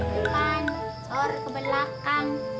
depan sor ke belakang